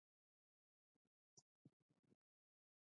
د بودا مجسمې په بامیان کې وې